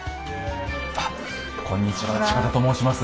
あっこんにちは近田と申します。